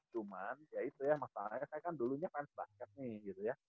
cuman ya itu ya masalahnya saya kan dulunya main basket nih gitu ya